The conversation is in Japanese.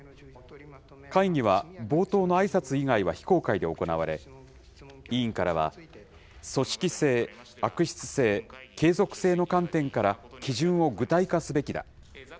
会議は冒頭のあいさつ以外は非公開で行われ、委員からは、組織性、悪質性、継続性の観点から、基準を具体化すべきだ。